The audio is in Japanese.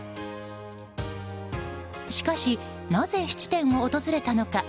しかし、なぜ質店を訪れたのか。